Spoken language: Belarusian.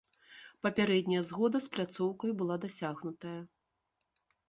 Папярэдняя згода з пляцоўкаю была дасягнутая.